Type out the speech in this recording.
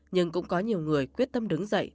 nhưng cũng có nhiều người quyết tâm đứng dậy